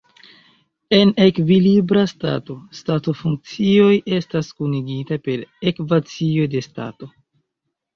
En ekvilibra stato stato-funkcioj estas kunigita per ekvacio de stato.